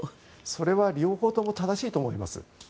それは両方とも正しいと思います。